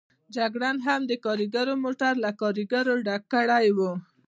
جګړن هم د کاریګرو موټر له کاریګرو ډک کړی و.